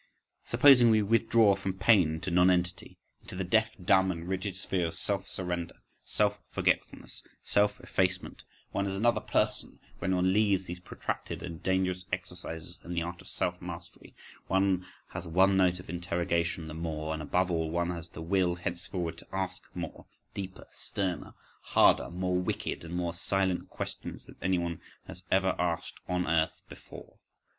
Supposing we withdraw from pain into nonentity, into the deaf, dumb, and rigid sphere of self surrender, self forgetfulness, self effacement: one is another person when one leaves these protracted and dangerous exercises in the art of self mastery, one has one note of interrogation the more, and above all one has the will henceforward to ask more, deeper, sterner, harder, more wicked, and more silent questions, than anyone has ever asked on earth before.